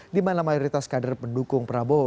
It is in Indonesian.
di mana mayoritas kader pendukung prabowo